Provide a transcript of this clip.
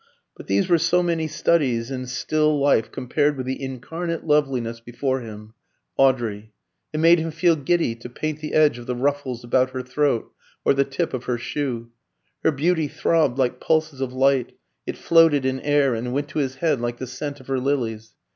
But these were so many studies in still life compared with the incarnate loveliness before him Audrey: it made him feel giddy to paint the edge of the ruffles about her throat, or the tip of her shoe. Her beauty throbbed like pulses of light, it floated in air and went to his head like the scent of her lilies.